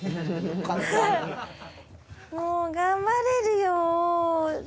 もう頑張れるよ。